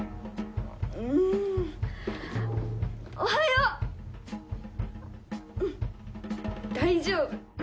うん大丈夫。